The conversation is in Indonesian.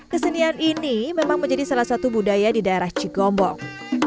kesenian ini memang menjadi salah satu budaya di daerah cigombong